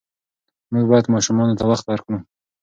موږ باید ماشومانو ته وخت ورکړو.